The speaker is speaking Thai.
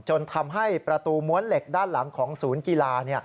จนทำให้ประตูม้วนเหล็กด้านหลังของศูนย์กีฬา